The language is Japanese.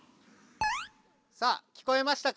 さあ聞こえましたか？